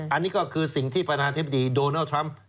อันนี้ก็คือสิ่งที่ประธานาธิบดีโดนัลด์ทรัมป์